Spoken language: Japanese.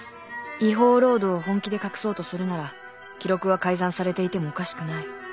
違法労働を本気で隠そうとするなら記録は改ざんされていてもおかしくない